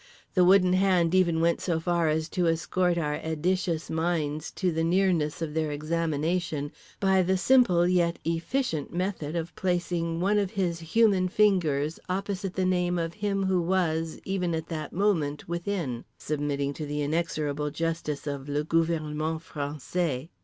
The Wooden Hand even went so far as to escort our seditious minds to the nearness of their examination by the simple yet efficient method of placing one of his human fingers opposite the name of him who was (even at that moment) within, submitting to the inexorable justice of le gouvernement français.